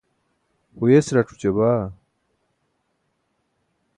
huyes rac̣ oća baa